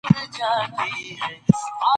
ذهني فشار د سر دردي لامل کېږي.